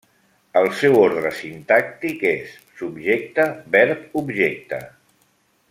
El seu ordre sintàctic és subjecte-verb-objecte.